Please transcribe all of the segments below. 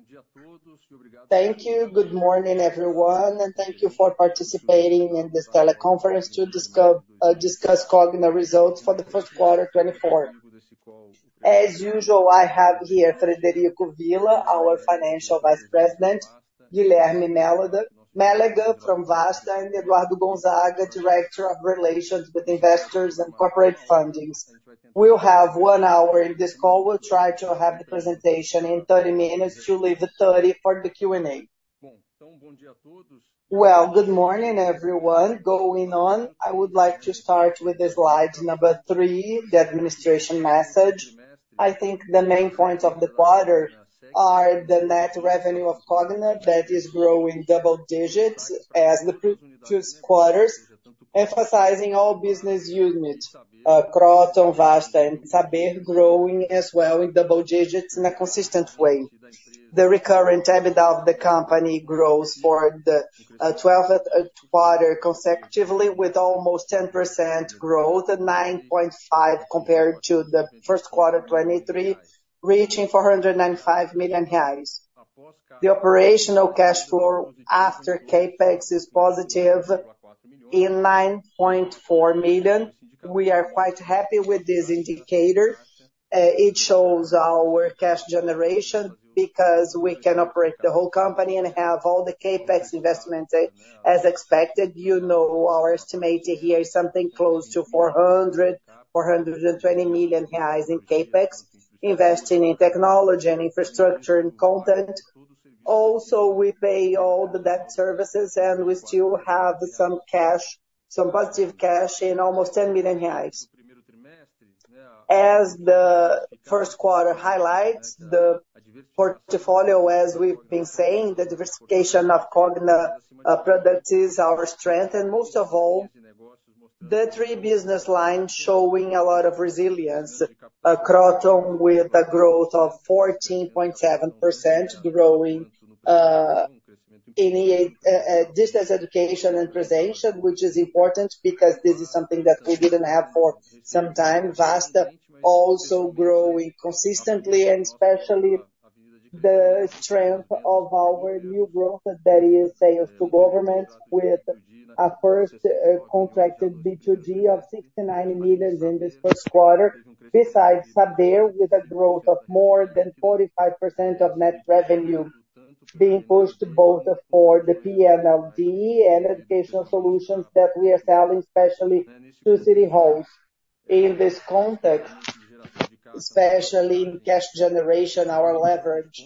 Bom dia a todos e obrigado por. Thank you. Good morning, everyone, and thank you for participating in this teleconference to discuss Cogna results for the first quarter 2024. As usual, I have here Frederico Villa, our Financial Vice President, Guilherme Mélega, from Vasta, and Eduardo Gonzaga, Director of Investor Relations and Corporate Funding. We'll have one hour in this call. We'll try to have the presentation in 30 minutes to leave 30 for the Q&A. Bom, então bom dia a todos. Well, good morning, everyone. Going on, I would like to start with the slide Number 3, the administration message. I think the main points of the quarter are the net revenue of Cogna that is growing double digits as the previous quarters, emphasizing all business units, Kroton, Vasta, and Saber, growing as well in double digits in a consistent way. The recurrent EBITDA of the company grows for the 12th quarter consecutively, with almost 10% growth, 9.5% compared to the first quarter 2023, reaching 495 million reais. The operational cash flow after CapEx is positive in 9.4 million. We are quite happy with this indicator. It shows our cash generation because we can operate the whole company and have all the CapEx investments as expected. You know our estimate here is something close to 420 million reais in CapEx, investing in technology and infrastructure and content. Also, we pay all the debt services, and we still have some cash, some positive cash in almost 10 million reais. As the first quarter highlights, the portfolio, as we've been saying, the diversification of Cogna products is our strength. And most of all, the three business lines showing a lot of resilience: Kroton with a growth of 14.7%, growing in distance education and presentation, which is important because this is something that we didn't have for some time. Vasta also growing consistently. And especially the strength of our new growth that is sales to government with a first contracted B2G of 69 million in this first quarter, besides Saber with a growth of more than 45% of net revenue being pushed both for the PNLD and educational solutions that we are selling, especially to city halls. In this context, especially in cash generation, our leverage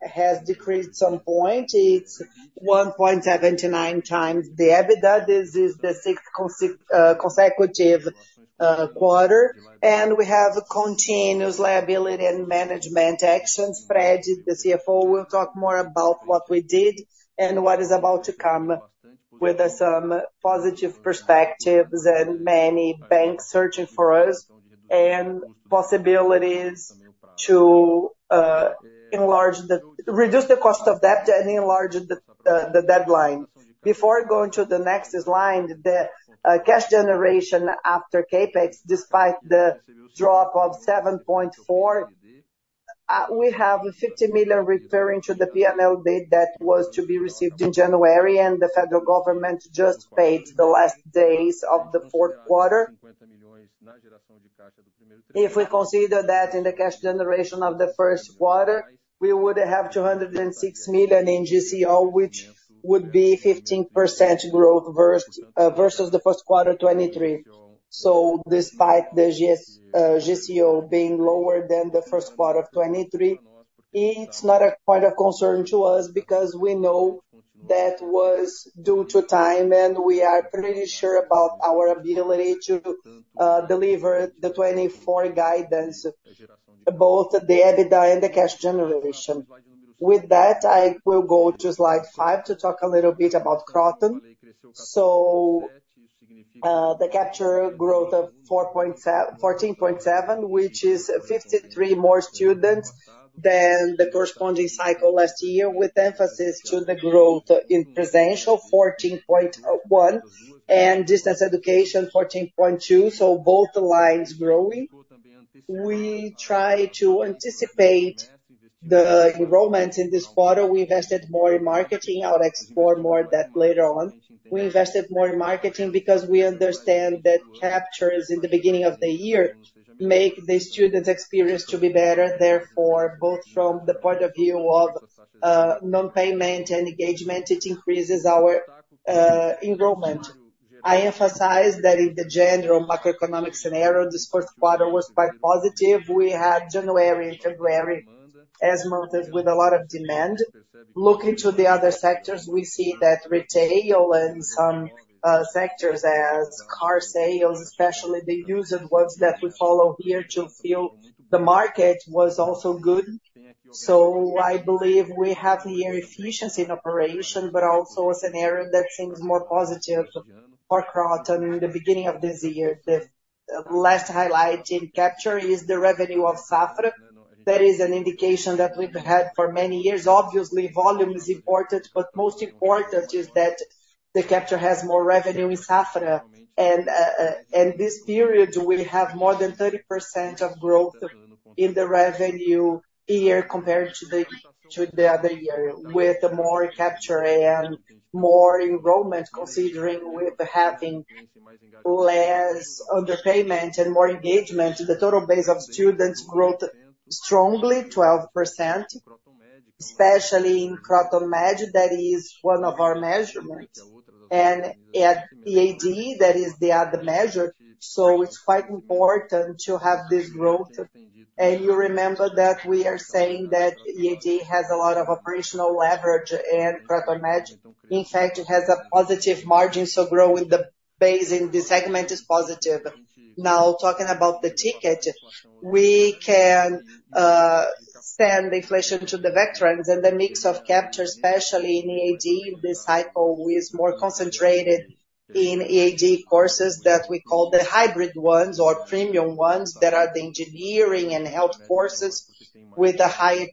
has decreased some point. It's 1.79 times the EBITDA. This is the sixth consecutive quarter, and we have continuous liability and management actions. Fred, the CFO, will talk more about what we did and what is about to come with some positive perspectives and many banks searching for us and possibilities to reduce the cost of debt and enlarge the deadline. Before going to the next slide, the cash generation after CapEx, despite the drop of 7.4%, we have 50 million recurring to the PNLD that was to be received in January, and the federal government just paid the last days of the fourth quarter. If we consider that in the cash generation of the first quarter, we would have 206 million in GCO, which would be 15% growth versus the first quarter 2023. Despite the GCO being lower than the first quarter of 2023, it's not a point of concern to us because we know that was due to time, and we are pretty sure about our ability to deliver the 2024 guidance, both the EBITDA and the cash generation. With that, I will go to Slide 5 to talk a little bit about Kroton. The capture growth of 14.7%, which is 53 more students than the corresponding cycle last year, with emphasis to the growth in presential, 14.1%, and distance education, 14.2%. Both lines growing. We try to anticipate the enrollments in this quarter. We invested more in marketing. I'll explore more of that later on. We invested more in marketing because we understand that captures in the beginning of the year make the students' experience to be better. Therefore, both from the point of view of non-payment and engagement, it increases our enrollment. I emphasize that in the general macroeconomic scenario, this fourth quarter was quite positive. We had January and February as months with a lot of demand. Looking to the other sectors, we see that retail and some sectors as car sales, especially the used ones that we follow here to fill the market, was also good. So I believe we have here efficiency in operation, but also a scenario that seems more positive for Kroton in the beginning of this year. The last highlight in capture is the revenue of Safra. That is an indication that we've had for many years. Obviously, volume is important, but most important is that the capture has more revenue in Safra. This period, we have more than 30% of growth in the revenue year compared to the other year, with more capture and more enrollment, considering we're having less underpayment and more engagement. The total base of students growth strongly, 12%, especially in Kroton Med. That is one of our measurements. EAD, that is the other measure. So it's quite important to have this growth. You remember that we are saying that EAD has a lot of operational leverage, and Kroton Med, in fact, has a positive margin. So growing the base in this segment is positive. Now, talking about the ticket, we can send inflation to the veterans. The mix of capture, especially in EAD, this cycle is more concentrated in EAD courses that we call the hybrid ones or premium ones that are the engineering and health courses with a higher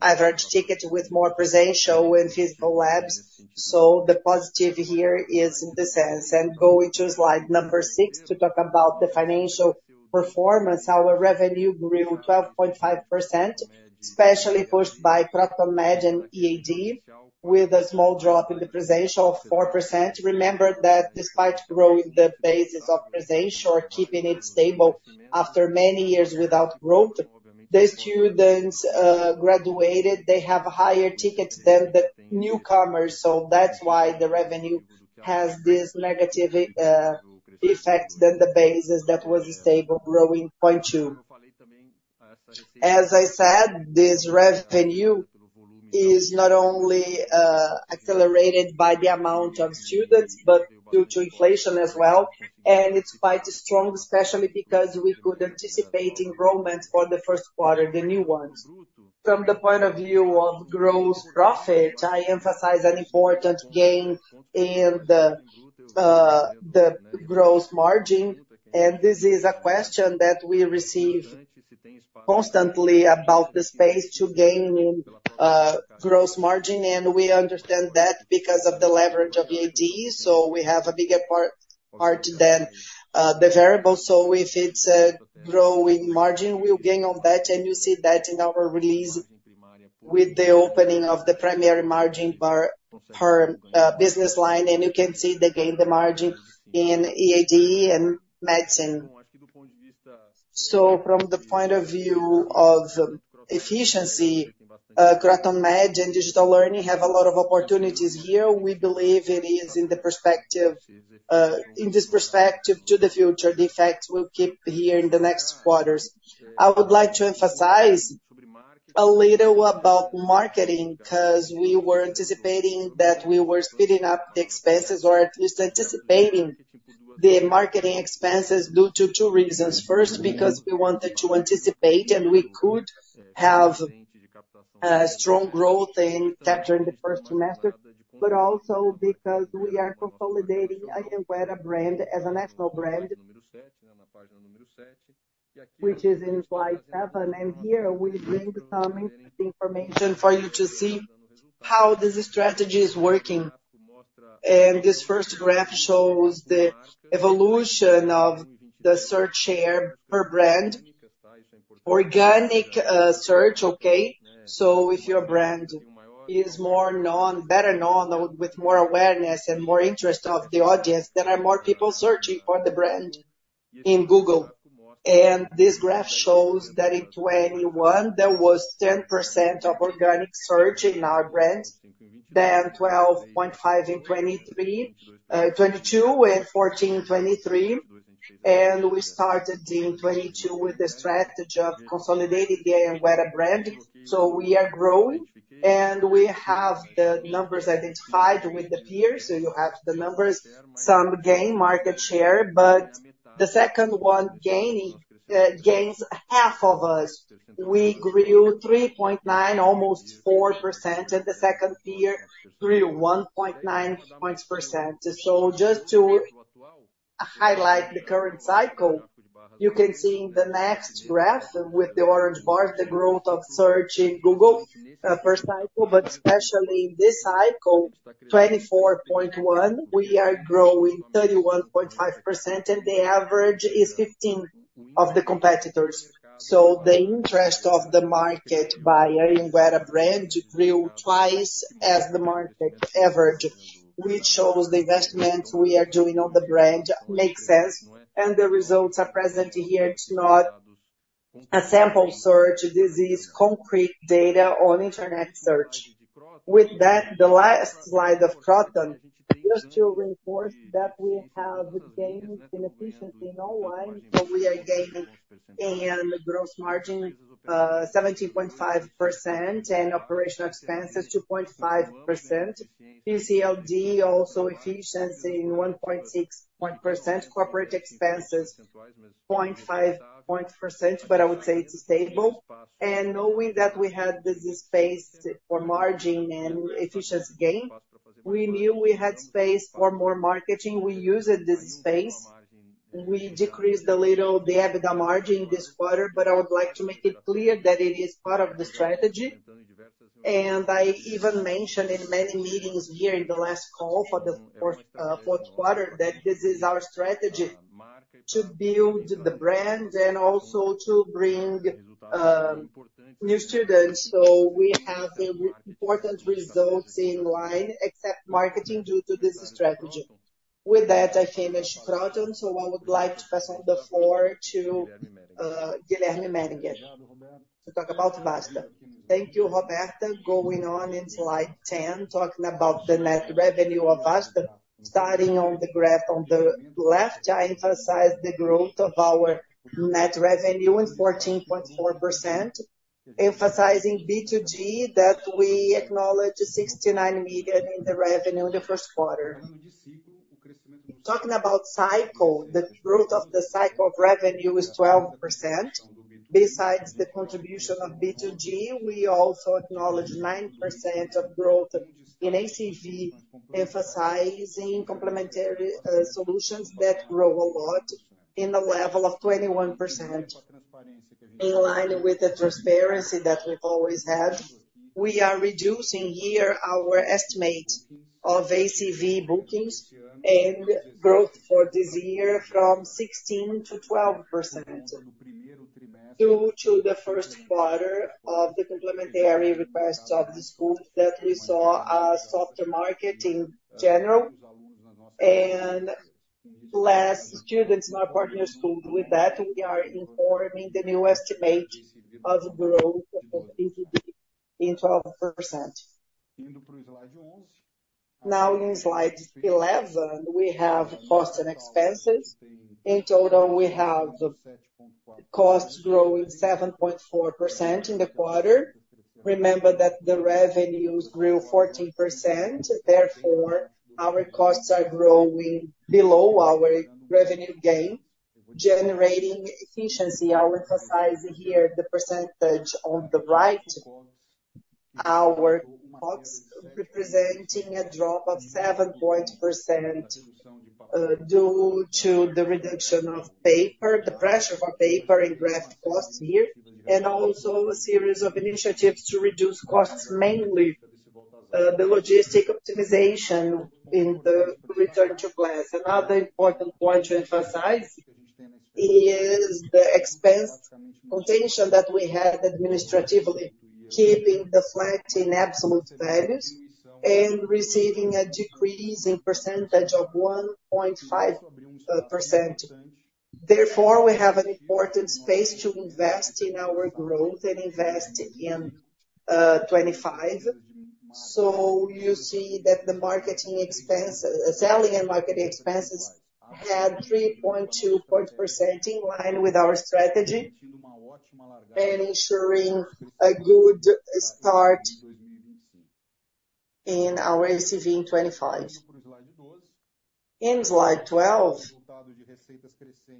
average ticket, with more presential and physical labs. So the positive here is in this sense. Going to slide Number 6 to talk about the financial performance, our revenue grew 12.5%, especially pushed by Kroton Med and EAD, with a small drop in the presential of 4%. Remember that despite growing the basis of presential or keeping it stable after many years without growth, the students graduated. They have higher tickets than the newcomers. So that's why the revenue has this negative effect than the basis that was stable, growing 0.2. As I said, this revenue is not only accelerated by the amount of students but due to inflation as well. It's quite strong, especially because we could anticipate enrollments for the first quarter, the new ones. From the point of view of gross profit, I emphasize an important gain in the gross margin. This is a question that we receive constantly about the space to gain in gross margin. We understand that because of the leverage of EAD. So we have a bigger part than the variable. So if it's a growing margin, we'll gain on that. You see that in our release with the opening of the primary margin per business line. You can see the gain, the margin in EAD and medicine. So from the point of view of efficiency, Kroton Med and digital learning have a lot of opportunities here. We believe it is in this perspective to the future. The effects will keep here in the next quarters. I would like to emphasize a little about marketing because we were anticipating that we were speeding up the expenses, or at least anticipating the marketing expenses due to two reasons. First, because we wanted to anticipate, and we could have strong growth in capture in the first semester, but also because we are consolidating Anhanguera brand as a national brand, which is in Slide 7. Here we bring some information for you to see how this strategy is working. This first graph shows the evolution of the search share per brand, organic search, okay? So if your brand is better known with more awareness and more interest of the audience, then more people searching for the brand in Google. This graph shows that in 2021, there was 10% of organic search in our brand than 12.5% in 2022 and 14% in 2023. We started in 2022 with the strategy of consolidating the Anhanguera brand. We are growing. We have the numbers identified with the peers. You have the numbers, some gain, market share. But the second one gains half of us. We grew 3.9%, almost 4%, and the second peer grew 1.9%. Just to highlight the current cycle, you can see in the next graph with the orange bars, the growth of search in Google per cycle. But especially in this cycle, 24.1, we are growing 31.5%, and the average is 15% of the competitors. The interest of the market by Anhanguera brand grew twice as the market average, which shows the investments we are doing on the brand make sense. The results are present here. It's not a sample search. This is concrete data on internet search. With that, the last slide of Kroton, just to reinforce that we have gained in efficiency in all lines. So we are gaining in gross margin 17.5% and operational expenses 2.5%, PCLD also efficiency in 1.6%, corporate expenses 0.5%. But I would say it's stable. And knowing that we had this space for margin and efficiency gain, we knew we had space for more marketing. We used this space. We decreased a little the EBITDA margin this quarter. But I would like to make it clear that it is part of the strategy. And I even mentioned in many meetings here in the last call for the fourth quarter that this is our strategy to build the brand and also to bring new students. So we have important results in line, except marketing due to this strategy. With that, I finish Kroton. So I would like to pass on the floor to Guilherme Mélega to talk about Vasta. Thank you, Roberto. Going on in Slide 10, talking about the net revenue of Vasta. Starting on the graph on the sale, I emphasize the growth of our net revenue in 14.4%, emphasizing B2G that we acknowledge 69 million in the revenue in the first quarter. Talking about cycle, the growth of the cycle of revenue is 12%. Besides the contribution of B2G, we also acknowledge 9% of growth in ACV, emphasizing complementary solutions that grow a lot in the level of 21% in line with the transparency that we've always had. We are reducing here our estimate of ACV bookings and growth for this year from 16%-12% due to the first quarter of the complementary requests of the schools that we saw a softer market in general and less students in our partner schools. With that, we are informing the new estimate of growth in 12%. Now, in Slide 11, we have cost and expenses. In total, we have costs growing 7.4% in the quarter. Remember that the revenues grew 14%. Therefore, our costs are growing below our revenue gain, generating efficiency. I'll emphasize here the percentage on the right, our costs representing a drop of 7.0% due to the reduction of pressure for paper and graph costs here, and also a series of initiatives to reduce costs, mainly the logistic optimization in the return to glass. Another important point to emphasize is the expense containment that we had administratively, keeping it flat in absolute values and resulting in a decrease in percentage of 1.5%. Therefore, we have an important space to invest in our growth and invest in 2025. So you see that the selling and marketing expenses had 3.2% in line with our strategy and ensuring a good start in our ACV in 2025. In Slide 12,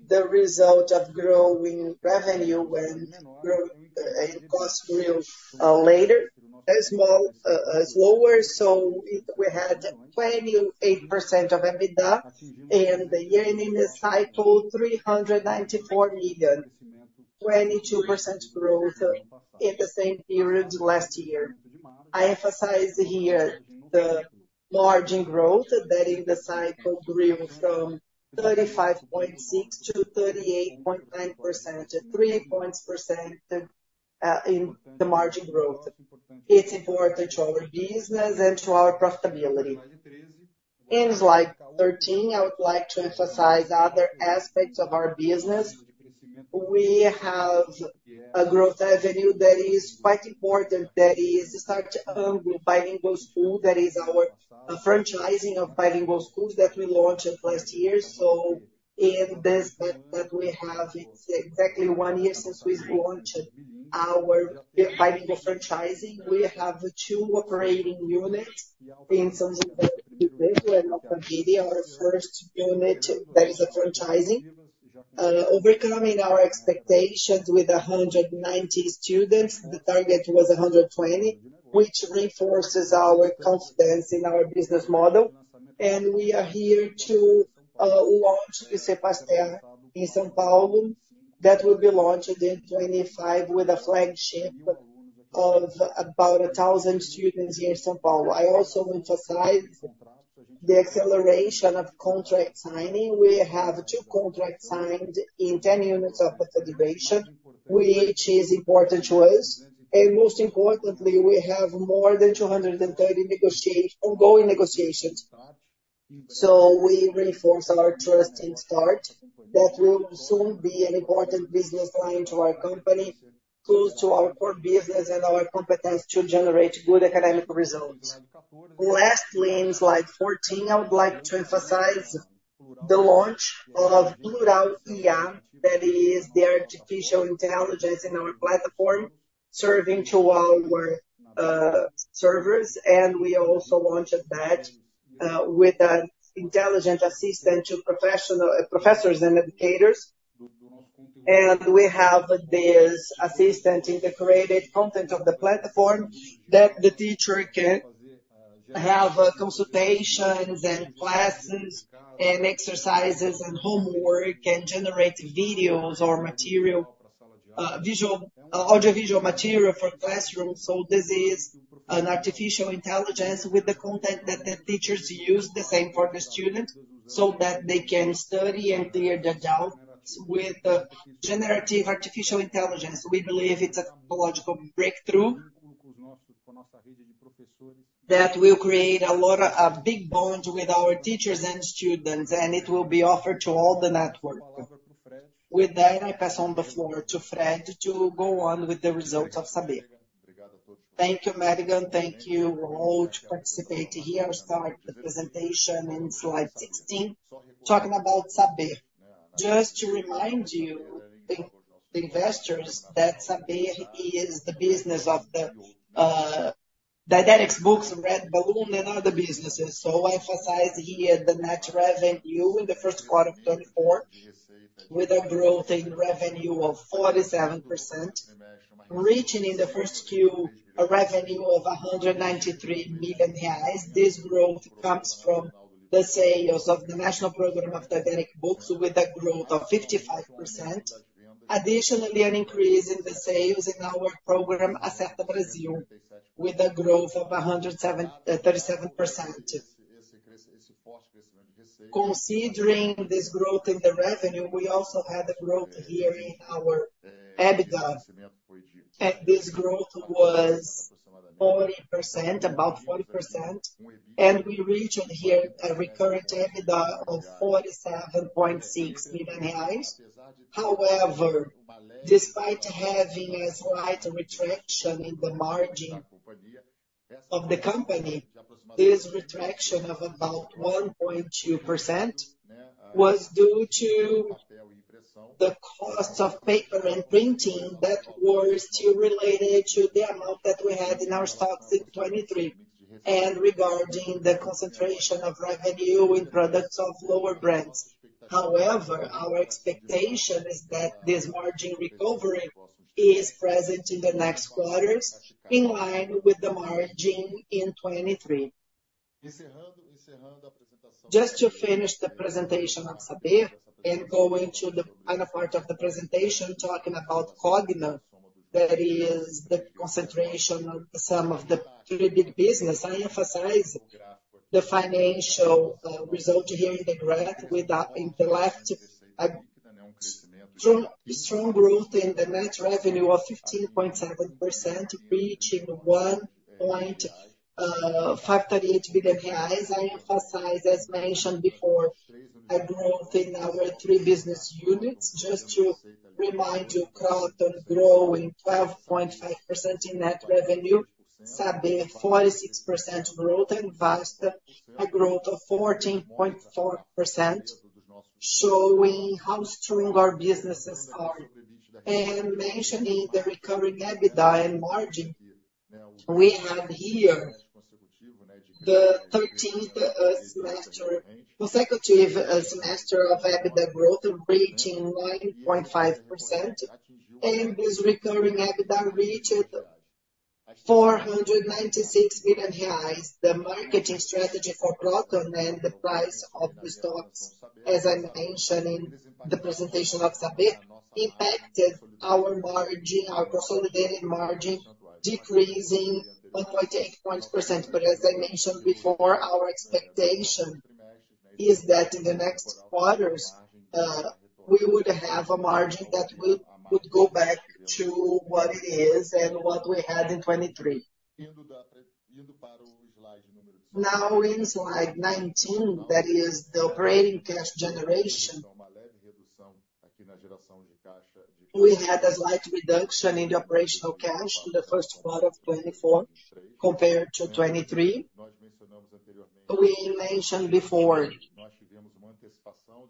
the result of growing revenue and cost grew later, lower. So we had 28% of EBITDA and the year-end in the cycle, 394 million, 22% growth in the same period last year. I emphasize here the margin growth that in the cycle grew from 35.6% to 38.9%, 3 percentage points in the margin growth. It's important to our business and to our profitability. In Slide 13, I would like to emphasize other aspects of our business. We have a growth revenue that is quite important, that is started with bilingual school, that is our franchising of bilingual schools that we launched last year. So in this that we have, it's exactly one year since we launched our bilingual franchising. We have two operating units in São José and Ourinhos, our first unit that is a franchising. Overcoming our expectations with 190 students, the target was 120, which reinforces our confidence in our business model. We are here to launch Unidade Pasteur in São Paulo that will be launched in 2025 with a flagship of about 1,000 students here in São Paulo. I also emphasize the acceleration of contract signing. We have two contracts signed in 10 units of the federation, which is important to us. Most importantly, we have more than 230 ongoing negotiations. So we reinforce our trust in Start that will soon be an important business line to our company, close to our core business and our competence to generate good academic results. Lastly, in Slide 14, I would like to emphasize the launch of Plural AI, that is the artificial intelligence in our platform serving to our servers. And we also launched that with an intelligent assistant to professors and educators. And we have this assistant in the created content of the platform that the teacher can have consultations and classes and exercises and homework and generate videos or audiovisual material for classrooms. So this is an artificial intelligence with the content that the teachers use, the same for the students, so that they can study and clear their doubts with generative artificial intelligence. We believe it's a technological breakthrough that will create a big bond with our teachers and students, and it will be offered to all the network. With that, I pass on the floor to Fred to go on with the results of Saber. Thank you, Mélega. Thank you all to participate here. I'll start the presentation in Slide 16, talking about Saber. Just to remind you, the investors, that Saber is the business of the didactic books, Red Balloon, and other businesses. So I emphasize here the net revenue in the first quarter of 2024 with a growth in revenue of 47%, reaching in the Q1 revenue of 193 million reais. This growth comes from the sales of the national program of didactic books with a growth of 55%, additionally an increase in the sales in our program Acerta Brasil with a growth of 37%. Considering this growth in the revenue, we also had a growth here in our EBITDA. This growth was 40%, about 40%. We reached here a recurrent EBITDA of 47.6 million reais. However, despite having a slight retraction in the margin of the company, this retraction of about 1.2% was due to the cost of paper and printing that were still related to the amount that we had in our stocks in 2023 and regarding the concentration of revenue in products of lower brands. However, our expectation is that this margin recovery is present in the next quarters in line with the margin in 2023. Just to finish the presentation of Saber and go into the final part of the presentation, talking about Cogna, that is the concentration of some of the three big business, I emphasize the financial result here in the graph in the sale. Strong growth in the net revenue of 15.7%, reaching BRL 1.538 million. I emphasize, as mentioned before, a growth in our three business units. Just to remind you, Kroton growing 12.5% in net revenue, Saber 46% growth, and Vasta a growth of 14.4%, showing how strong our businesses are. And mentioning the recurring EBITDA and margin, we have here the 13th consecutive semester of EBITDA growth reaching 9.5%. And this recurring EBITDA reached 496 million. The marketing strategy for Kroton and the price of the stocks, as I mentioned in the presentation of Saber, impacted our consolidated margin, decreasing 1.8 points percent. But as I mentioned before, our expectation is that in the next quarters, we would have a margin that would go back to what it is and what we had in 2023. Now, in Slide 19, that is the operating cash generation, we had a slight reduction in the operational cash in the first quarter of 2024 compared to 2023. We mentioned before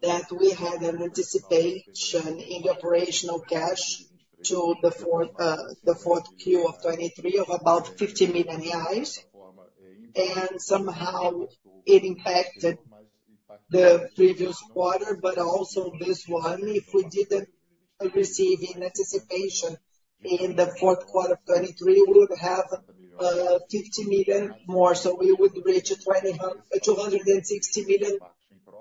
that we had an anticipation in the operational cash to the fourth Q of 2023 of about 50 million reais. And somehow, it impacted the previous quarter. But also this one, if we didn't receive in anticipation in the fourth quarter of 2023, we would have 50 million more. So we would reach 260 million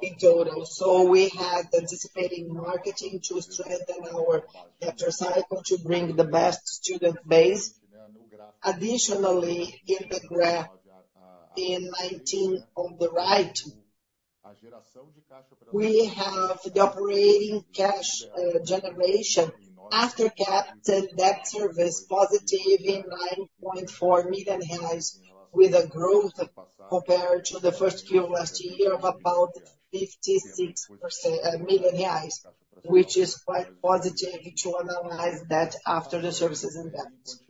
in total. So we had anticipating marketing to strengthen our chapter cycle to bring the best student base. Additionally, in the graph in '19 on the right, we have the operating cash generation after CapEx and debt service positive in 9.4 million reais with a growth compared to the first Q last year of about 56 million reais, which is quite positive to analyze that after the services and debts.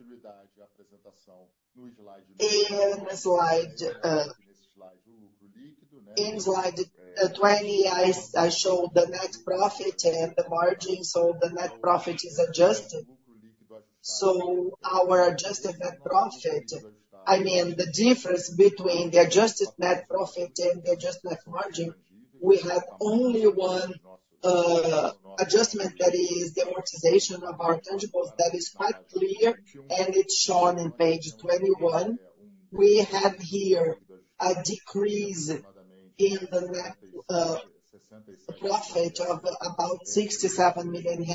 In Slide 20, I showed the net profit and the margin. So the net profit is adjusted. So our adjusted net profit, I mean, the difference between the adjusted net profit and the adjusted net margin, we had only one adjustment, that is the amortization of our intangibles that is quite clear, and it's shown in page 21. We had here a decrease in the net profit of about 67 million.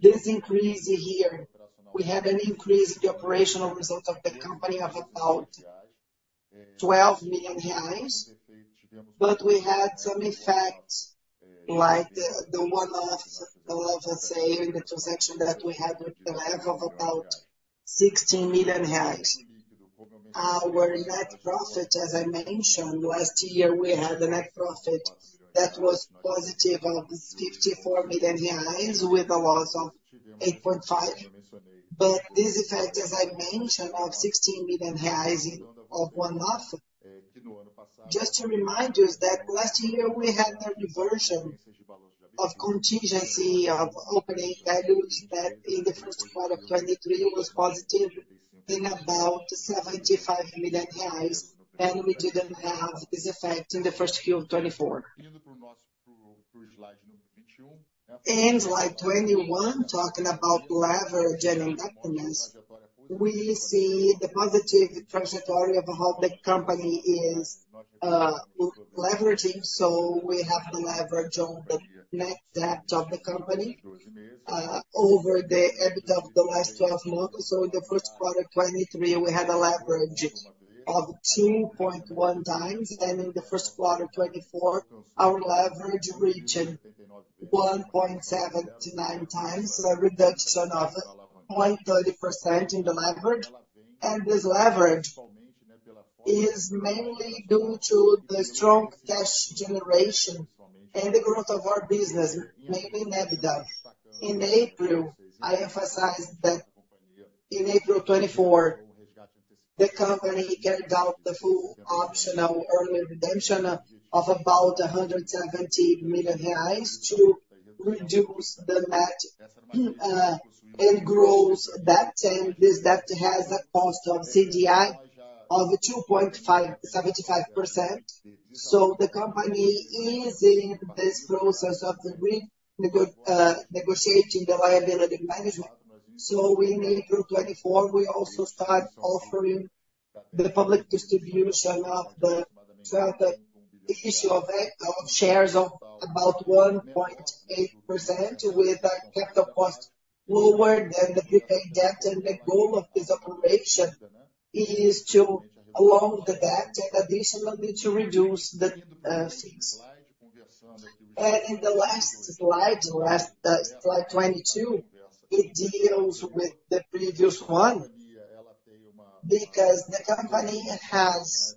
This increase here, we had an increase in the operational results of the company of about 12 million reais. But we had some effects like the one-off, let's say, in the transaction that we had with the sale of about 16 million reais. Our net profit, as I mentioned, last year, we had a net profit that was positive of BRL 54 million with a loss of 8.5. But this effect, as I mentioned, of 16 million reais of one-off, just to remind you is that last year, we had a reversion of contingency of opening values that in the first quarter of 2023 was positive in about 75 million reais. And we didn't have this effect in the Q1 of 2024. In Slide 21, talking about leverage and indebtedness, we see the positive trajectory of how the company is leveraging. So we have the leverage on the net debt of the company over the EBITDA of the last 12 months. In the first quarter of 2023, we had a leverage of 2.1 times. In the first quarter of 2024, our leverage reached 1.79 times, a reduction of 0.30% in the leverage. This leverage is mainly due to the strong cash generation and the growth of our business, mainly in EBITDA. In April, I emphasized that in April 2024, the company carried out the full optional early redemption of about 170 million reais to reduce the net and growth debt. This debt has a cost of CDI of 2.75%. The company is in this process of negotiating the liability management. In April 2024, we also start offering the public distribution of the issue of shares of about 1.8% with a capital cost lower than the prepaid debt. The goal of this operation is to loan the debt and additionally to reduce the fees. In the last slide, Slide 22, it deals with the previous one because the company has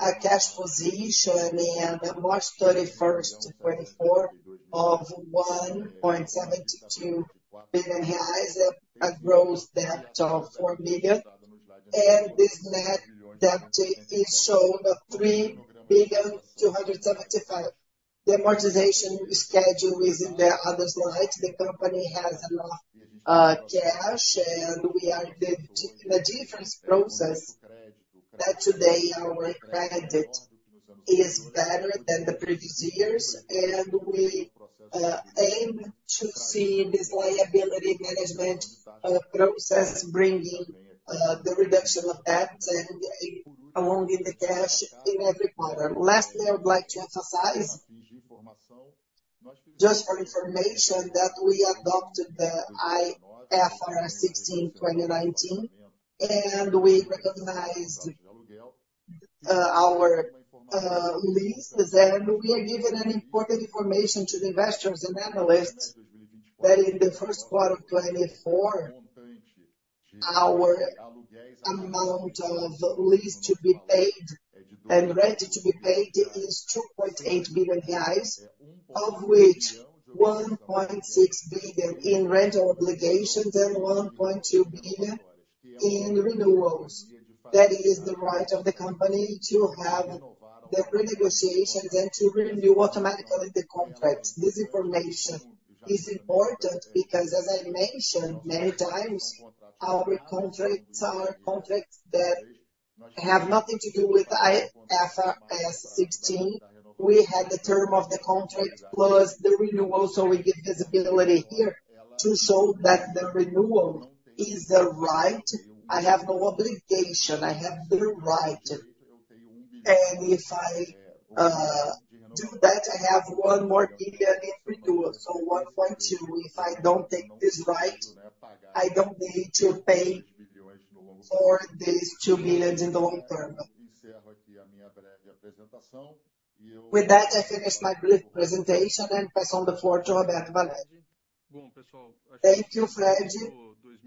a cash position in March 31st, 2024, of BRL 1.72 billion, a gross debt of 4 billion. This net debt is shown at 3.275 billion. The amortization schedule is in the other slide. The company has enough cash, and we are in a different process that today, our credit is better than the previous years. We aim to see this liability management process bringing the reduction of debts and loaning the cash in every quarter. Lastly, I would like to emphasize, just for information, that we adopted the IFRS 16 in 2019, and we recognized our leases. We are given important information to the investors and analysts that in the first quarter of 2024, our amount of lease to be paid and rent to be paid is BRL 2.8 billion, of which BRL 1.6 billion in rental obligations and BRL 1.2 billion in renewals. That is the right of the company to have the renegotiations and to renew automatically the contracts. This information is important because, as I mentioned many times, our contracts are contracts that have nothing to do with IFRS 16. We had the term of the contract plus the renewal. So we give visibility here to show that the renewal is the right. I have no obligation. I have the right. And if I do that, I have 1 more billion in renewal. So BRL 1.2. If I don't take this right, I don't need to pay for these 2 billion in the long term. With that, I finish my brief presentation and pass on the floor to Roberto Valério. Thank you, Fred.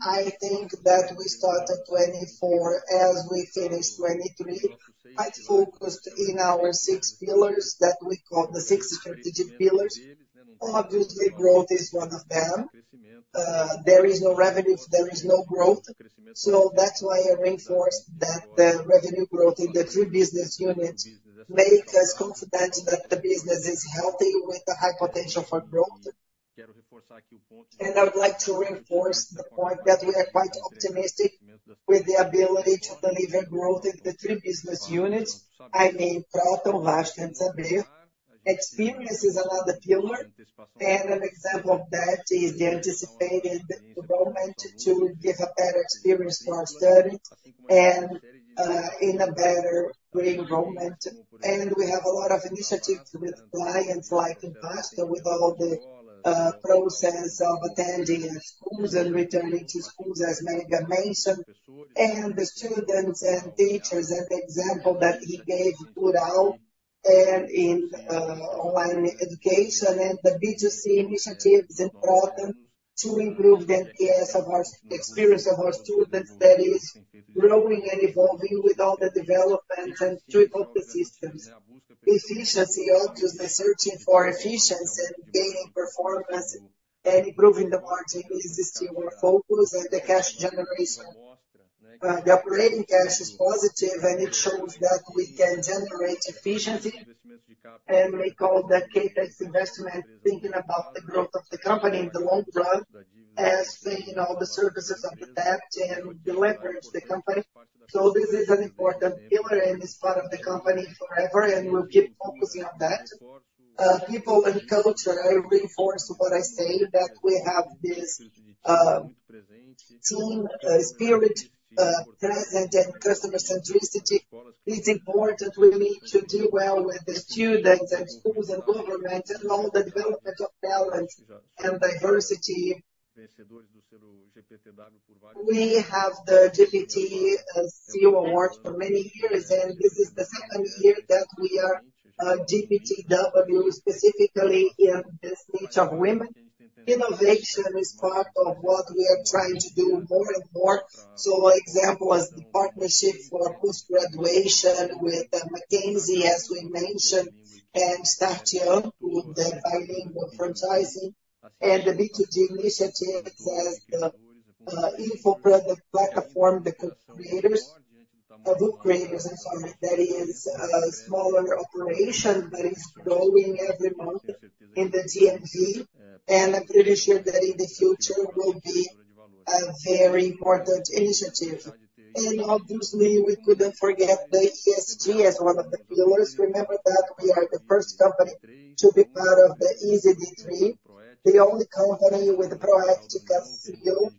I think that we started 2024 as we finished 2023, quite focused in our six pillars that we call the six strategic pillars. Obviously, growth is one of them. There is no revenue. There is no growth. So that's why I reinforced that the revenue growth in the three business units makes us confident that the business is healthy with the high potential for growth. I would like to reinforce the point that we are quite optimistic with the ability to deliver growth in the three business units. I mean, Kroton, Vasta, and Saber. Experience is another pillar. And an example of that is the anticipated enrollment to give a better experience for our students and in a better re-enrollment. And we have a lot of initiatives with clients like in Vasta with all the process of attending schools and returning to schools, as Melega mentioned, and the students and teachers and the example that he gave throughout and in online education and the B2C initiatives in Kroton to improve the experience of our students that is growing and evolving with all the developments and trick of the systems. Efficiency, obviously, searching for efficiency and gaining performance and improving the margin is still our focus and the cash generation. The operating cash is positive, and it shows that we can generate efficiency. We call that CapEx investment, thinking about the growth of the company in the long run as paying all the services of the debt and the leverage of the company. This is an important pillar and is part of the company forever, and we'll keep focusing on that. People and culture, I reinforce what I say, that we have this team spirit present and customer centricity. It's important. We need to deal well with the students and schools and government and all the development of talent and diversity. We have the GPTW CEO Award for many years, and this is the second year that we are GPTW, specifically in this niche of women. Innovation is part of what we are trying to do more and more. An example is the partnership for post-graduation with McKinsey, as we mentioned, and Start Anglo with the bilingual franchising and the B2G initiatives as the infoproduct platform, the Bookess. I'm sorry. That is a smaller operation, but it's growing every month in the GMV. And I'm pretty sure that in the future will be a very important initiative. And obviously, we couldn't forget the ESG as one of the pillars. Remember that we are the first company to be part of the ISE B3, the only company with a proactive CEO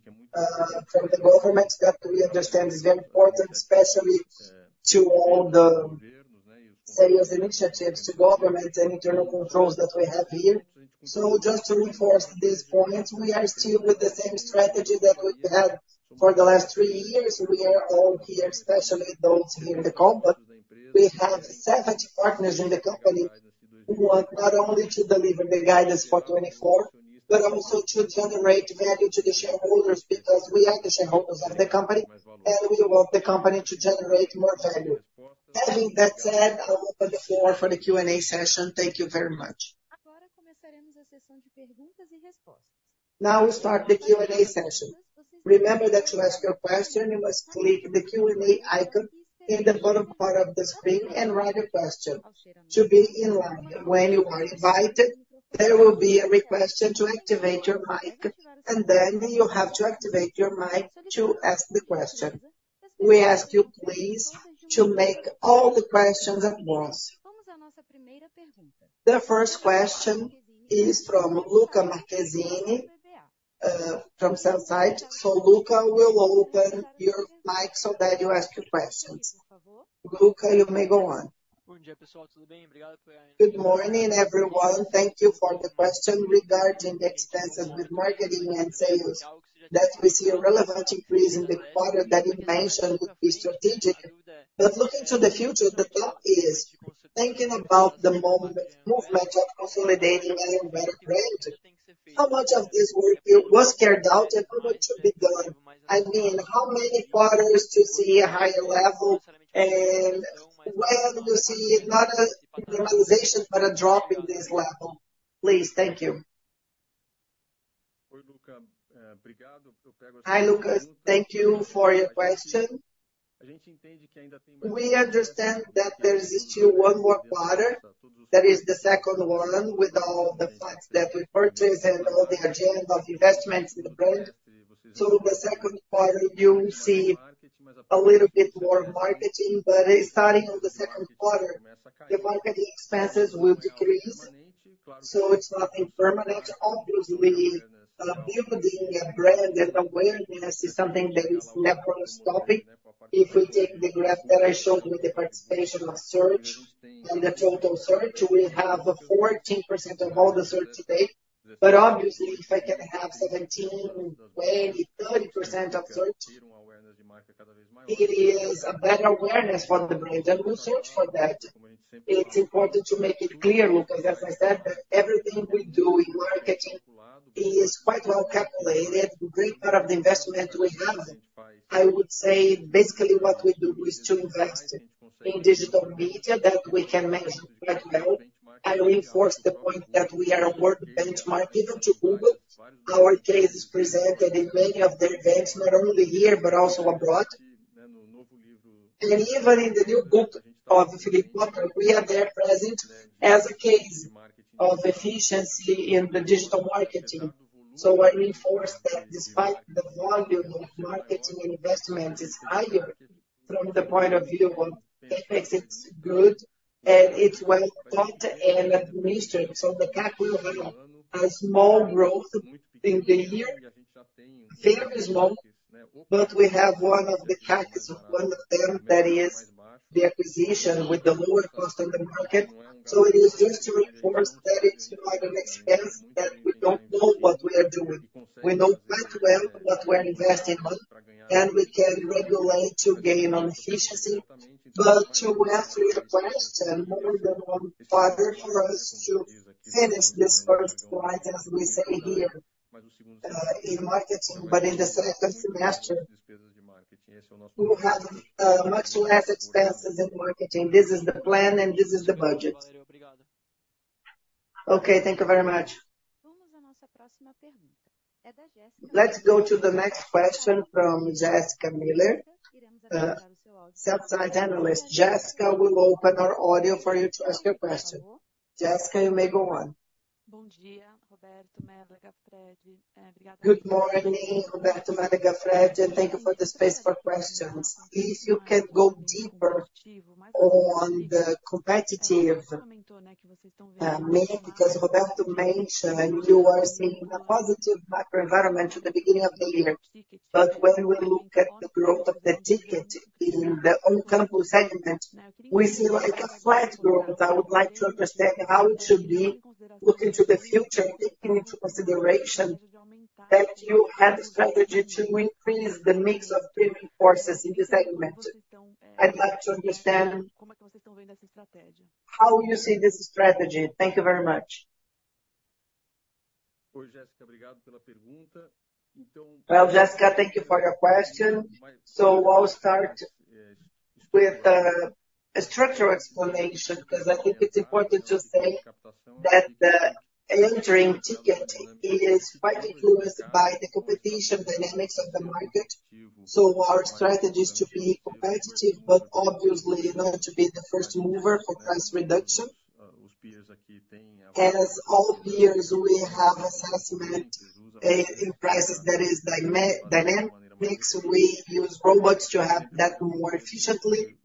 from the government that we understand is very important, especially to all the sales initiatives, to government and internal controls that we have here. So just to reinforce this point, we are still with the same strategy that we've had for the last three years. We are all here, especially those here in the Company. We have 70 partners in the company who want not only to deliver the guidance for 2024 but also to generate value to the shareholders because we are the shareholders of the company, and we want the company to generate more value. Having that said, I'll open the floor for the Q&A session. Thank you very much. Now, we'll start the Q&A session. Remember that to ask your question, you must click the Q&A icon in the bottom part of the screen and write a question to be in line. When you are invited, there will be a request to activate your mic, and then you have to activate your mic to ask the question. We ask you, please, to make all the questions at once. The first question is from Lucca Marquezini from Itaú BBA. So Luca, we'll open your mic so that you ask your questions. Lucca, you may go on. Good morning, everyone. Thank you for the question regarding the expenses with marketing and sales. That we see a relevant increase in the quarter that you mentioned would be strategic. But looking to the future, the top is thinking about the movement of consolidating as a better brand. How much of this work was carried out and how much should be done? I mean, how many quarters to see a higher level and when you see not a normalization but a drop in this level? Please. Thank you. Hi, Lucca. Thank you for your question. We understand that there is still one more quarter. That is the second one with all the facts that we purchase and all the agenda of investments in the brand. So the second quarter, you'll see a little bit more marketing. But starting in the second quarter, the marketing expenses will decrease. So it's nothing permanent. Obviously, building a brand and awareness is something that is never stopping. If we take the graph that I showed with the participation of search and the total search, we have 14% of all the search today. But obviously, if I can have 17%, 20%, 30% of search, it is a better awareness for the brand, and we'll search for that. It's important to make it clear, Lucas, as I said, that everything we do in marketing is quite well calculated. A great part of the investment we have, I would say, basically what we do is to invest in digital media that we can measure quite well. I reinforce the point that we are a world benchmark, even to Google. Our case is presented in many of their events, not only here but also abroad. And even in the new book of Philip Kotler, we are there present as a case of efficiency in the digital marketing. So I reinforce that despite the volume of marketing and investment is higher from the point of view of techniques, it's good, and it's well thought and administered. So the CAC will have a small growth in the year, very small. But we have one of the CACs, one of them that is the acquisition with the lower cost on the market. So it is just to reinforce that it's not an expense that we don't know what we are doing. We know quite well what we are investing in, and we can regulate to gain on efficiency. But to answer your question, more than one quarter for us to finish this first slide, as we say here in marketing, but in the second semester, we'll have much less expenses in marketing. This is the plan, and this is the budget. Okay. Thank you very much. Let's go to the next question from Jessica Melo, sell-side analyst. Jessica, we'll open our audio for you to ask your question. Jessica, you may go on. Bom dia, Roberto, Melega, Fred. Obrigada. Good morning, Roberto, Melega, Fred. And thank you for the space for questions. If you can go deeper on the competitive, because Roberto mentioned you are seeing a positive macroenvironment at the beginning of the year. But when we look at the growth of the ticket in the on-campus segment, we see a flat growth. I would like to understand how it should be looking to the future, taking into consideration that you have a strategy to increase the mix of premium courses in this segment. I'd like to understand how you see this strategy. Thank you very much. Well, Jessica, thank you for your question. So I'll start with a structural explanation because I think it's important to say that the entering ticket is quite influenced by the competition dynamics of the market. So our strategy is to be competitive but obviously not to be the first mover for price reduction. As all peers, we have assessment in prices that is dynamic. We use robots to have that more efficiently.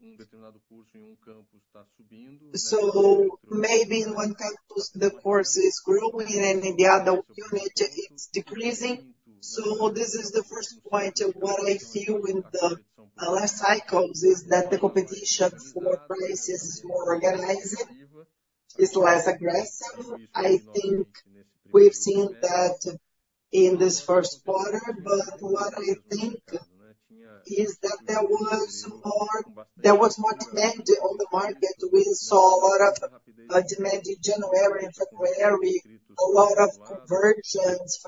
So maybe in one campus, the course is growing, and in the other unit, it's decreasing. So this is the first point of what I feel in the last cycles is that the competition for prices is more organized, is less aggressive. I think we've seen that in this first quarter. But what I think is that there was more demand on the market. We saw a lot of demand in January, February, a lot of conversions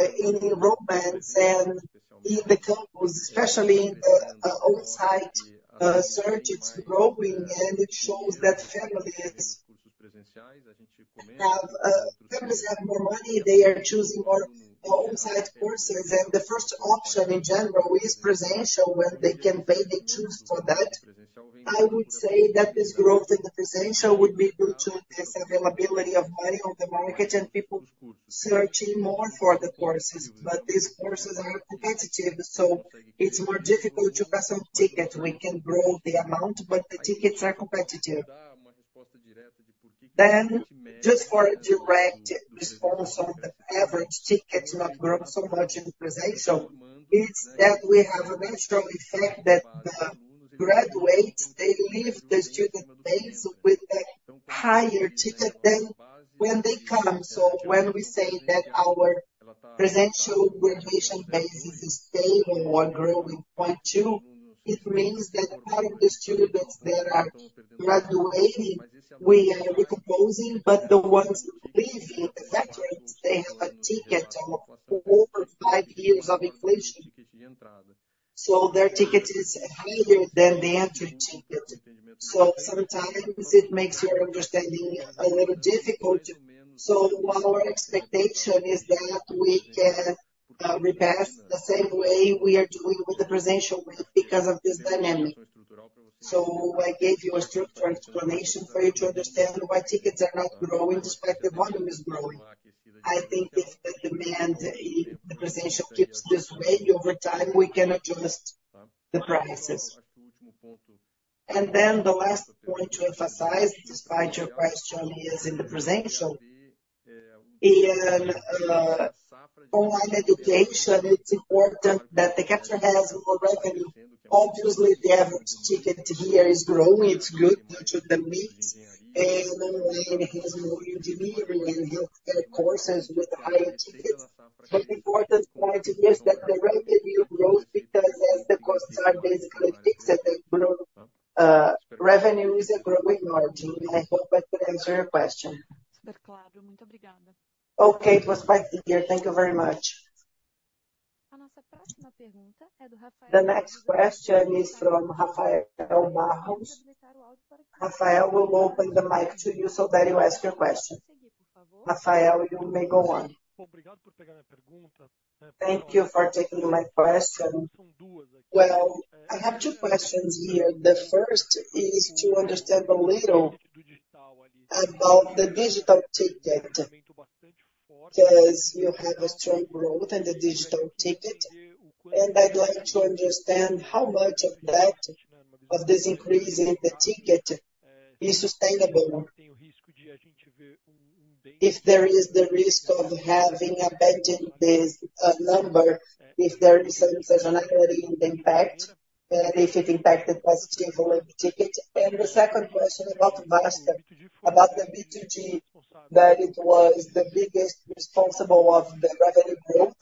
in enrollments and in the campus, especially in the on-site search. It's growing, and it shows that families have more money. They are choosing more on-site courses. And the first option, in general, is presential when they can pay, they choose for that. I would say that this growth in the presential would be due to this availability of money on the market and people searching more for the courses. But these courses are competitive, so it's more difficult to pass on ticket. We can grow the amount, but the tickets are competitive. Then just for a direct response on the average ticket not growing so much in the presential, it's that we have a natural effect that the graduates, they leave the student base with a higher ticket than when they come. So when we say that our presential graduation base is stable or growing 0.2, it means that part of the students that are graduating, we are recomposing. But the ones leaving, the veterans, they have a ticket of four or five years of inflation. So their ticket is higher than the entry ticket. So sometimes it makes your understanding a little difficult. So our expectation is that we can repass the same way we are doing with the presential because of this dynamic. I gave you a structural explanation for you to understand why tickets are not growing despite the volume is growing. I think if the demand in the presential keeps this way, over time, we can adjust the prices. Then the last point to emphasize, despite your question, is in the presential. In online education, it's important that the capture has more revenue. Obviously, the average ticket here is growing. It's good due to the mix. Online has more engineering and healthcare courses with higher tickets. The important point here is that the revenue grows because as the costs are basically fixed, revenue is a growing margin. I hope I could answer your question. Okay. It was quite clear. Thank you very much. The next question is from Rafael Barros. Rafael, we'll open the mic to you so that you ask your question. Rafael, you may go on. Thank you for taking my question. Well, I have two questions here. The first is to understand a little about the digital ticket because you have a strong growth in the digital ticket. And I'd like to understand how much of this increase in the ticket is sustainable, if there is the risk of having abandoned this number, if there is some seasonality in the impact, and if it impacted positively the ticket. And the second question about Vasta, about the B2G, that it was the biggest responsible of the revenue growth.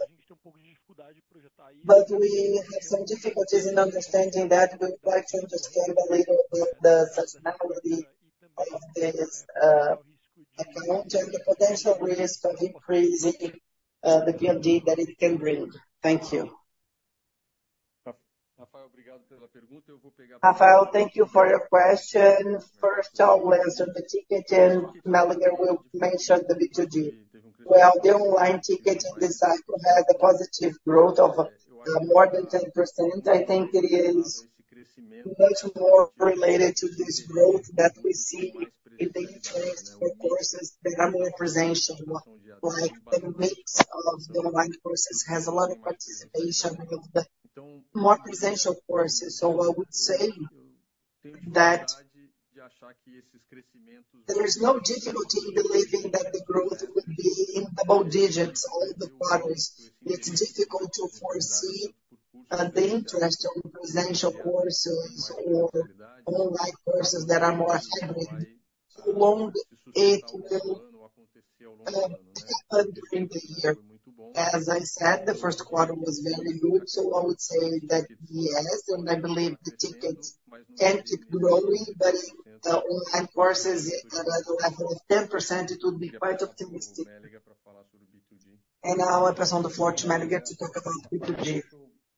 But we have some difficulties in understanding that. We would like to understand a little bit the seasonality of this account and the potential risk of increasing the PNLD that it can bring. Thank you. Rafael, obrigado pela pergunta. Eu vou pegar para você. Rafael, thank you for your question. First, I'll answer the ticket, and Mélega will mention the B2G. Well, the online ticket in this cycle had a positive growth of more than 10%. I think it is much more related to this growth that we see in the interest for courses that are more presential. The mix of the online courses has a lot of participation of the more presential courses. So I would say that there is no difficulty in believing that the growth would be in double digits all the quarters. It's difficult to foresee the interest of presential courses or online courses that are more hybrid. How long it will happen during the year? As I said, the first quarter was very good. So I would say that yes. And I believe the tickets can keep growing. But in online courses at a level of 10%, it would be quite optimistic. Now I pass on the floor to Mélega to talk about B2G.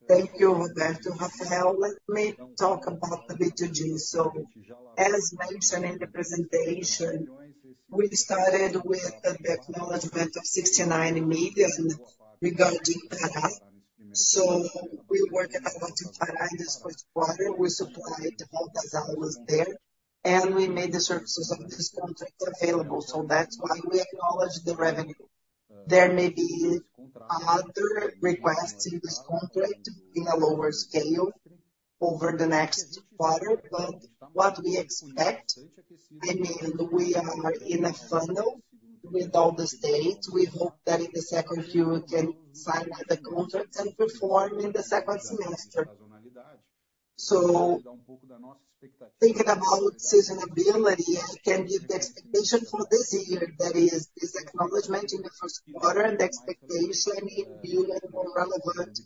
Thank you, Roberto. Rafael, let me talk about the B2G. As mentioned in the presentation, we started with the acknowledgment of 69 million regarding Pará. We worked a lot in Pará in this first quarter. We supplied how Dazal was there, and we made the services of this contract available. That's why we acknowledged the revenue. There may be other requests in this contract in a lower scale over the next quarter. But what we expect, I mean, we are in a funnel with all the states. We hope that in the second, you can sign the contract and perform in the second semester. So thinking about seasonality, I can give the expectation for this year, that is, this recognition in the first quarter and the expectation of having more relevant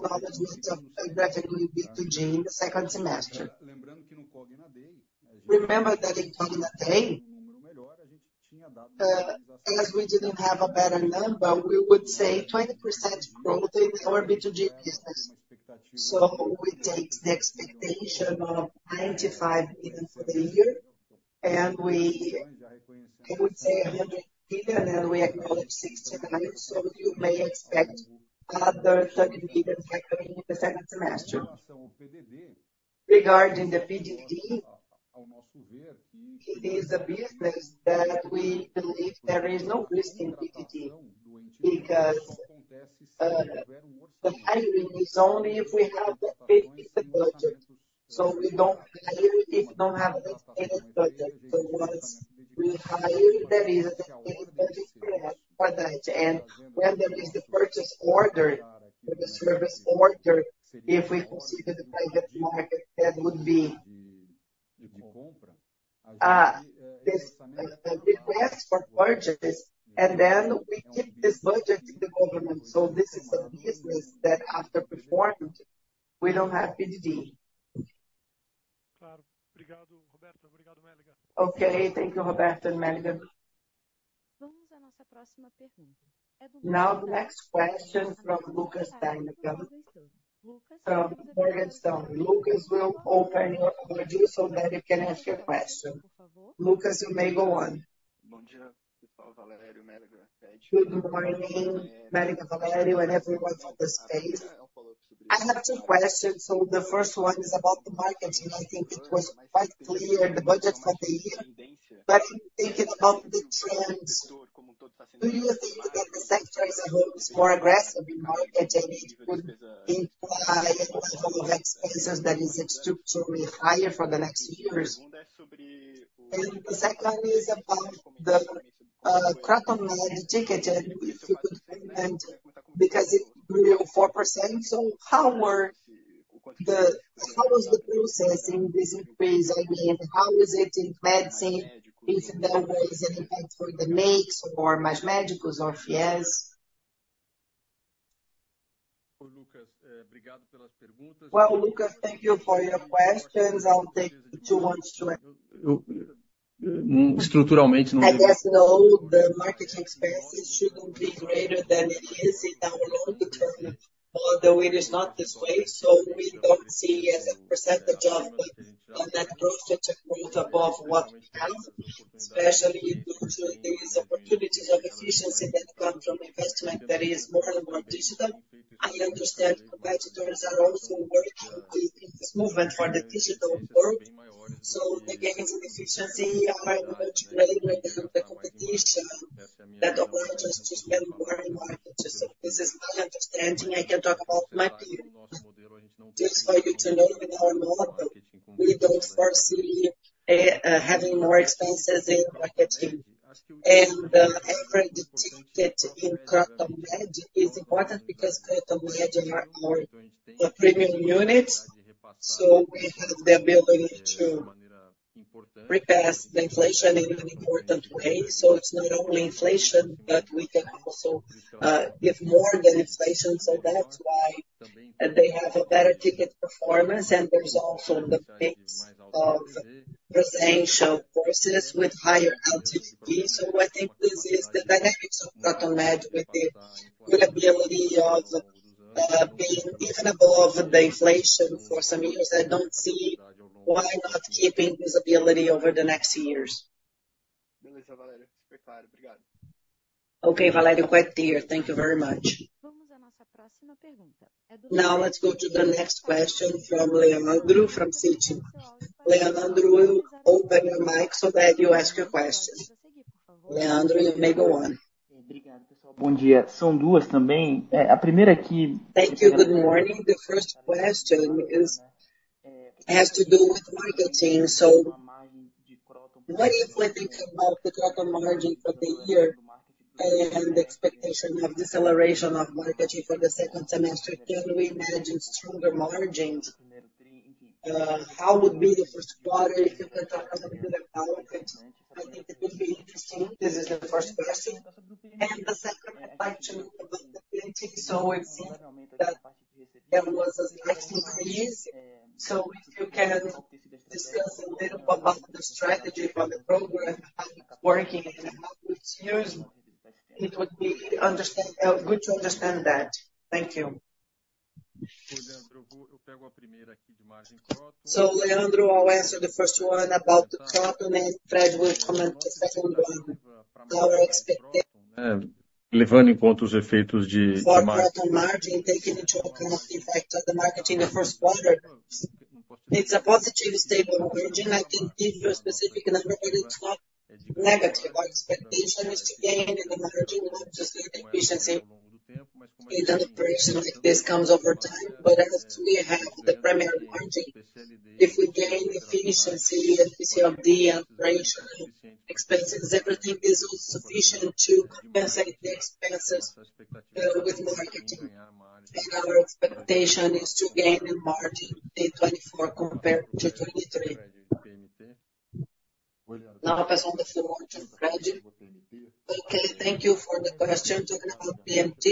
recognition of revenue B2G in the second semester. Remember that in Cogna Day, as we didn't have a better number, we would say 20% growth in our B2G business. So it takes the expectation of BRL 95 million for the year. And I would say 100 million, and we recognize 69 million. So you may expect another 30 million happening in the second semester. Regarding the PDD, it is a business that we believe there is no risk in PDD because the hiring is only if we have that paid budget. So we don't hire if you don't have a dedicated budget. So once we hire, there is a dedicated budget for that. When there is the purchase order or the service order, if we consider the private market, that would be this request for purchase. And then we keep this budget in the government. So this is a business that after performed, we don't have PDD. Okay. Okay. Thank you, Roberto and Mélega. Now the next question from Lucas Chaves. Lucas will open your audio so that you can ask your question. Lucas, you may go on. Good morning, Mélega, Valério and everyone from the space. I have two questions. So the first one is about the marketing. I think it was quite clear, the budget for the year. But I'm thinking about the trends. Do you think that the sector is a little bit more aggressive in market, and it would imply a level of expenses that is structurally higher for the next years? And the second is about the Kroton Med ticket and if you could implement because it grew 4%. So how was the process in this increase? I mean, how is it in medicine if there was an impact for the Mais Médicos or FIES? Well, Lucas, thank you for your questions. I'll take two ones. Estruturalmente, I guess, no. The marketing expenses shouldn't be greater than it is in our long-term model. It is not this way. So we don't see as a percentage of the net growth such a growth above what we have, especially due to these opportunities of efficiency that come from investment that is more and more digital. I understand competitors are also working in this movement for the digital world. So the gains in efficiency are much greater than the competition that allows us to spend more in markets. So this is my understanding. I can talk about my view. Just for you to know, in our model, we don't foresee having more expenses in marketing. The average ticket in Kroton Med is important because Kroton Med are our premium units. We have the ability to repass the inflation in an important way. It's not only inflation, but we can also give more than inflation. That's why they have a better ticket performance. There's also the mix of presential courses with higher LTV. I think this is the dynamics of Kroton Med with the ability of being even above the inflation for some years. I don't see why not keeping this ability over the next years. Okay, Valério. Quite clear. Thank you very much. Now let's go to the next question from Leandro from Citi. Leandro, we'll open your mic so that you ask your question. Leandro, you may go on. Bom dia. São duas também. A primeira aqui. Thank you. Good morning. The first question has to do with marketing. So what if we think about the Kroton margin for the year and the expectation of deceleration of marketing for the second semester? Can we imagine stronger margins? How would be the first quarter if you can talk a little bit about it? I think it would be interesting. This is the first question. And the second, I'd like to know about the. So it seemed that there was a slight increase. So if you can discuss a little about the strategy for the program, how it's working, and how it's used, it would be good to understand that. Thank you. So Leandro, I'll answer the first one about the Kroton. Fred will comment the second one. Levando em conta os efeitos de margin, taking into account the impact of the marketing in the first quarter, it's a positive stable margin. I can give you a specific number, but it's not negative. Our expectation is to gain in the margin, not just efficiency. Any operation like this comes over time. But as we have the primary margin, if we gain efficiency and PCLD and operational expenses, everything is also sufficient to compensate the expenses with marketing. And our expectation is to gain in margin in 2024 compared to 2023. Now I pass on the floor to Fred. Okay. Thank you for the question talking about PMT.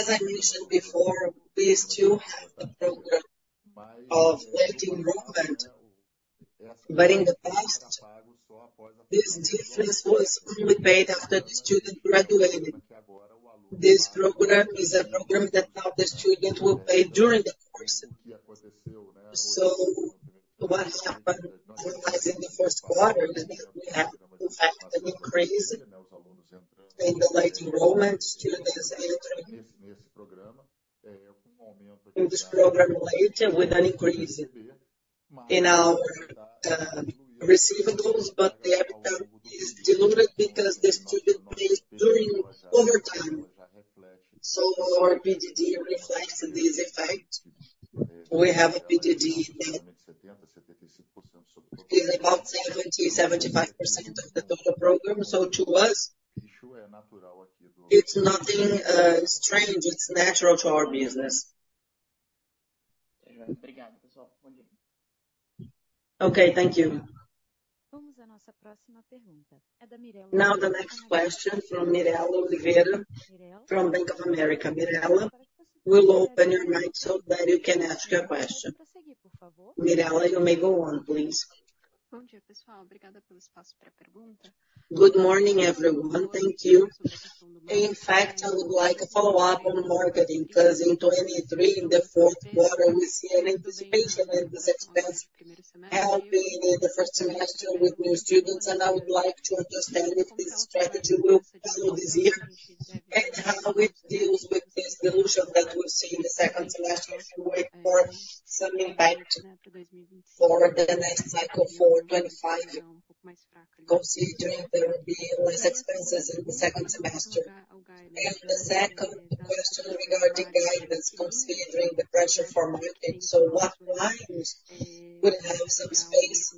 As I mentioned before, we still have the program of late enrollment. But in the past, this difference was only paid after the student graduated. This program is a program that now the student will pay during the course. So what happened in the first quarter is that we have, in fact, an increase in the late enrollment students entering in this program later with an increase in our receivables. But the average is diluted because the student pays over time. So our PDD reflects this effect. We have a PDD that is about 70%-75% of the total program. So to us, it's nothing strange. It's natural to our business. Okay. Thank you. Vamos à nossa próxima pergunta. É da Mirela. Now the next question from Mirela Oliveira from Bank of America. Mirela, we'll open your mic so that you can ask your question. Mirela, you may go on, please. Bom dia, pessoal. Obrigada pelo espaço para a pergunta. Good morning, everyone. Thank you. In fact, I would like a follow-up on marketing because in 2023, in the fourth quarter, we see an anticipation in this expense helping in the first semester with new students. And I would like to understand if this strategy will follow this year and how it deals with this dilution that we'll see in the second semester if we wait for some impact for the next cycle for 2025, considering there will be less expenses in the second semester. And the second question regarding guidance, considering the pressure for market, so what clients would have some space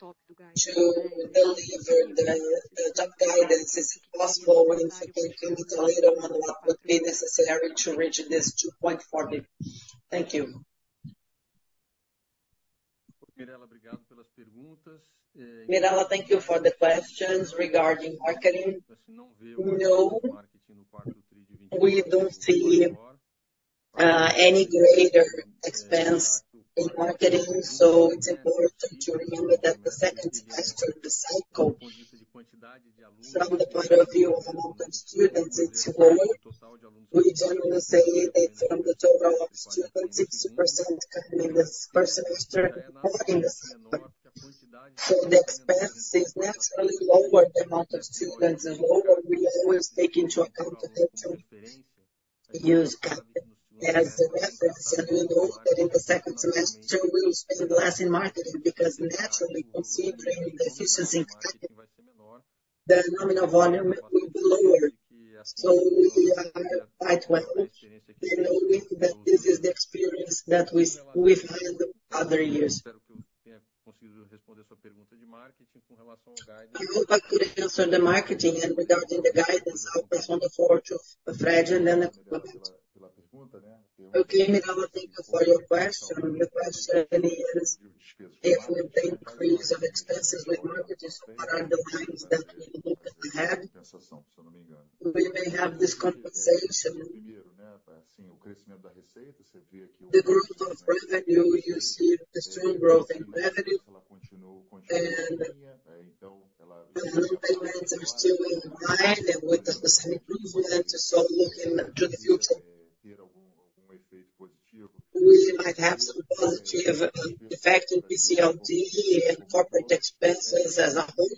to deliver the top guidance? Is it possible? And if you can comment a little on what would be necessary to reach this 2.4 billion. Thank you. Mirela, obrigado pelas perguntas. Mirela, thank you for the questions regarding marketing. No, we don't see any greater expense in marketing. So it's important to remember that the second semester, the cycle, from the point of view of amount of students, it's lower. We generally say that from the total of students, 60% come in this first semester or in the second. So the expense is naturally lower. The amount of students is lower. We always take into account that they use CapEx as a reference. And we know that in the second semester, we will spend less in marketing because, naturally, considering the efficiency in CapEx, the nominal volume will be lower. So we are quite well. We know that this is the experience that we've had other years. I hope I could answer the marketing and regarding the guidance. I'll pass on the floor to Fred and then accompaniment. Okay, Mirela, thank you for your question. The question is if with the increase of expenses with marketing, so what are the lines that we look ahead? We may have this compensation. The growth of revenue, you see a strong growth in revenue. The nominals are still in line with some improvement. Looking to the future, we might have some positive effect in PCLD and corporate expenses as a whole.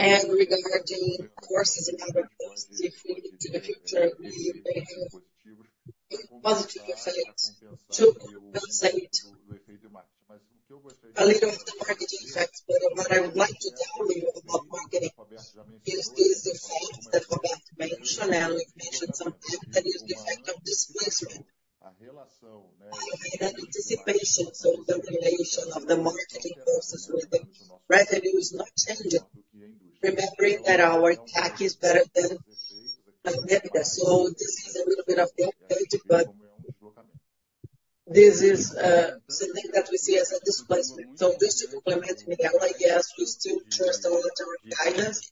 Regarding courses in our business, if we look to the future, we may have a positive effect to compensate a little of the marketing effects. But what I would like to tell you about marketing is this effect that Robert mentioned. We've mentioned some times that it's the effect of displacement and anticipation. The relation of the marketing courses with the revenue is not changing, remembering that our CAC is better than EBITDA. This is a little bit of the update. But this is something that we see as a displacement. So just to complement Mirela, yes, we still trust a lot of guidance,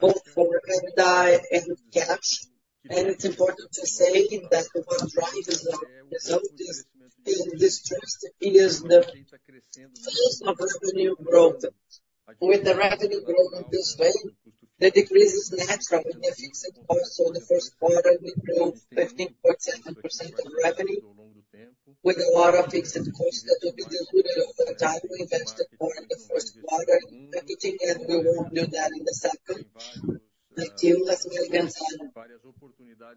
both for EBITDA and CAC. And it's important to say that what drives the result in this trust is the loss of revenue growth. With the revenue growth in this way, the decrease is natural in the fixed costs. So the first quarter, we grew 15.7% of revenue with a lot of fixed costs that will be diluted over time we invested more in the first quarter marketing. And we won't do that in the second. I feel as well that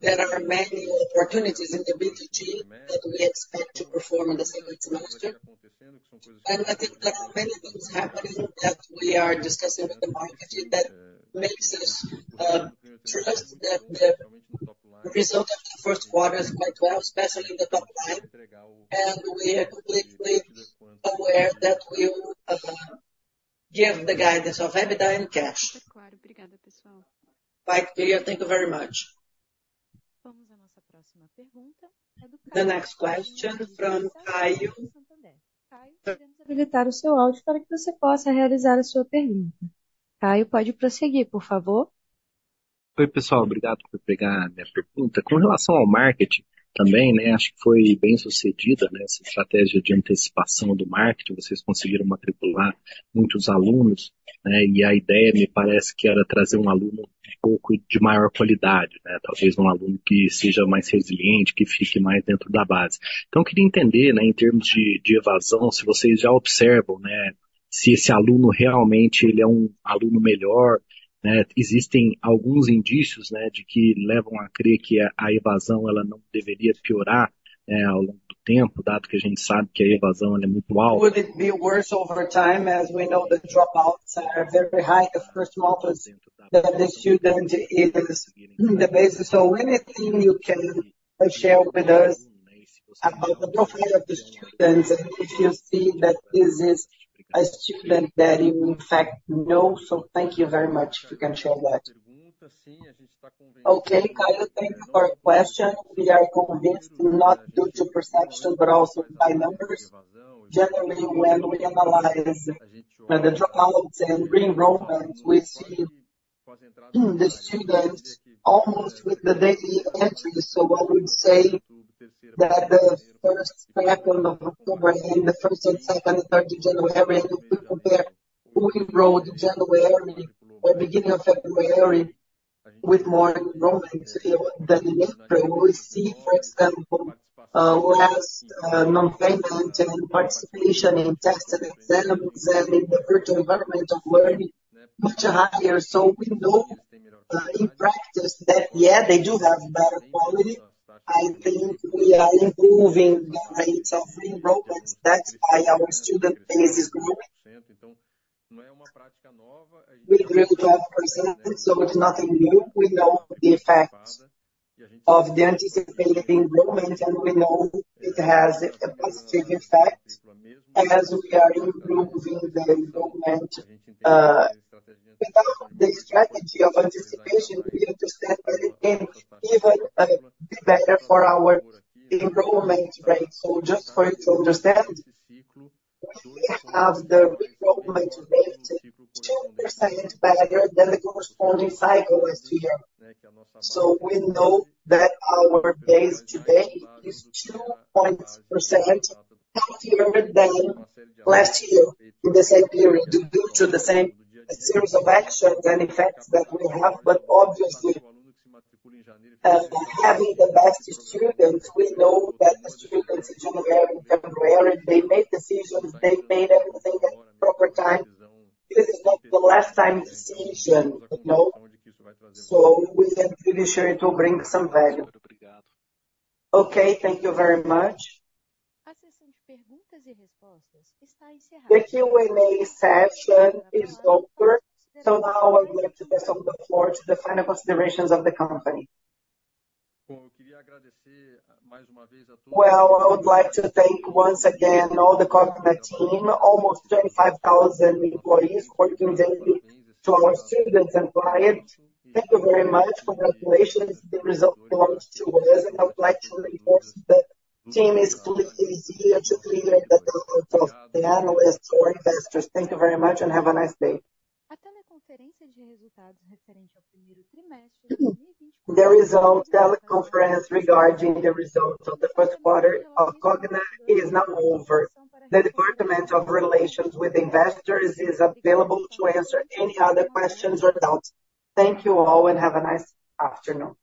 there are many opportunities in the B2G that we expect to perform in the second semester. I think there are many things happening that we are discussing with the marketing that makes us trust that the result of the first quarter is quite well, especially in the top line. We are completely aware that we will give the guidance of EBITDA and CAC. Quite clear. Thank you very much. Vamos à nossa próxima pergunta. The next question from Caio. Caio, podemos habilitar o seu áudio para que você possa realizar a sua pergunta. Caio, pode prosseguir, por favor. Oi, pessoal. Obrigado por pegar a minha pergunta. Com relação ao marketing também, acho que foi bem-sucedida essa estratégia de antecipação do marketing. Vocês conseguiram matricular muitos alunos. E a ideia, me parece, que era trazer aluno pouco de maior qualidade, talvez aluno que seja mais resiliente, que fique mais dentro da base. Então, eu queria entender, em termos de evasão, se vocês já observam se esse aluno realmente é aluno melhor. Existem alguns indícios de que levam a crer que a evasão não deveria piorar ao longo do tempo, dado que a gente sabe que a evasão é muito alta. Would it be worse over time as we know the dropouts are very high the first month that the student is in the basis? So anything you can share with us about the profile of the students and if you see that this is a student that you, in fact, know. So thank you very much if you can share that. Okay, Caio. Thank you for your question. We are convinced not due to perception, but also by numbers. Generally, when we analyze the dropouts and re-enrollments, we see the students almost with the daily entry. So I would say that the first step in October and the first and second and third of January, and if we compare who enrolled January or beginning of February with more enrollments than in April, we will see, for example, less non-payment and participation in tested exams and in the virtual environment of learning, much higher. So we know in practice that, yeah, they do have better quality. I think we are improving the rates of re-enrollments. That's why our student base is growing. We grew 12%. So it's nothing new. We know the effects of the anticipated enrollment. And we know it has a positive effect as we are improving the enrollment. Without the strategy of anticipation, we understand that it can even be better for our enrollment rate. So just for you to understand, we have the enrollment rate 2% better than the corresponding cycle last year. So we know that our base today is 2.0% healthier than last year in the same period due to the same series of actions and effects that we have. But obviously, having the best students, we know that the students in January and February, they made decisions. They made everything at the proper time. This is not the last time decision. So we can really share it to bring some value. Okay. Thank you very much. The Q&A session is over. So now I'd like to pass on the floor to the final considerations of the company. Well, I would like to thank once again all the Cogna team, almost 25,000 employees working daily to our students and clients. Thank you very much. Congratulations. The result belongs to us. And I would like to reinforce that the team is here to clear the doubts of the analysts or investors. Thank you very much. And have a nice day. The result regarding the results of the first quarter of Cogna is now over. The Department of Relations with Investors is available to answer any other questions or doubts. Thank you all. And have a nice afternoon.